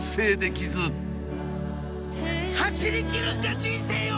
走りきるんじゃ人生を！